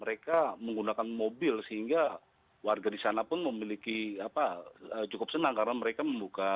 mereka menggunakan mobil sehingga warga di sana pun memiliki apa cukup senang karena mereka membuka